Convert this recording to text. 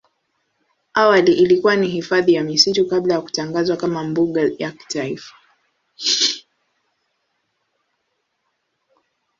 Awali ilikuwa ni hifadhi ya misitu kabla ya kutangazwa kama mbuga ya kitaifa.